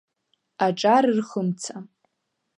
Аҿар рхымца.